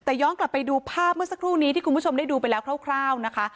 แต่ย้อนกลับไปดูภาพเมื่อสักครู่นี้ที่คุณผู้ชมได้ดูไปแล้วคร่าวนะคะ